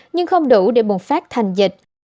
nhưng không đủ để bùng phát thành dịch